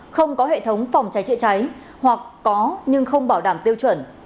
không có hệ thống phòng cháy chữa cháy hoặc có nhưng không bảo đảm tiêu chuẩn